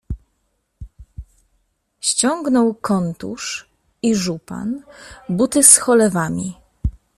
ściągnął kontusz i żupan, buty z cholewami